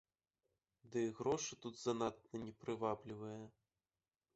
Ды і грошы тут занадта не прываблівыя.